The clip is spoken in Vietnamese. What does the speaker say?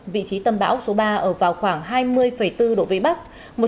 vị trí tâm bão số ba ở vào khoảng hai mươi bốn độ vĩ bắc